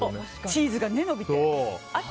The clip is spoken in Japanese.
チーズが伸びて。